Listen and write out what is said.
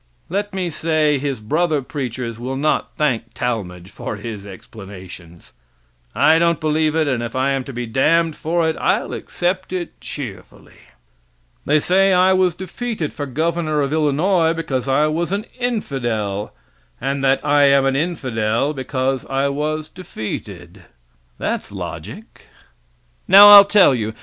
Let me say his brother preachers will not thank Talmage for his explanations. I don't believe it, and if I am to be damned for it, I'll accept it cheerfully. They say I was defeated for Governor of Illinois because I was an infidel, and that I am an infidel because I was defeated. That's logic. Now I'll tell you.